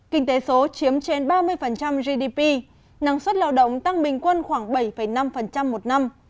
kinh tế số chiếm trên ba mươi gdp năng suất lao động tăng bình quân khoảng bảy năm một năm